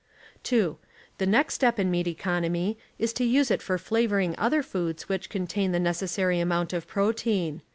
(2) The next step in meat economy is to use it for flavoring other foods which contain the necessary amount of protein.